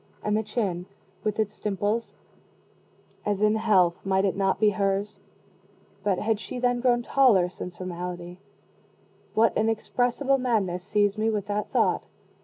And the chin, with its dimples, as in health, might it not be hers? but had she then grown taller since her malady? What inexpressible madness seized me with that thought?